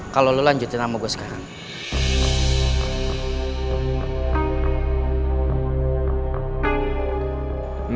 kalau lo lanjutin sama gue sekarang